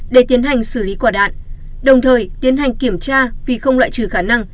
để tiến hành xử lý quả đạn đồng thời tiến hành kiểm tra vì không loại trừ khả năng